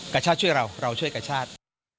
กาชาติช่วยเราเราช่วยกาชาติ